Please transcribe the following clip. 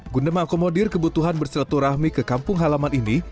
guna mengakomodir kebutuhan bersilaturahmi ke kampung halaman ini